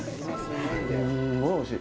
すんごいおいしい。